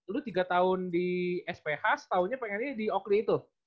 lu tiga tahun di sph setahunya pengennya di oakville itu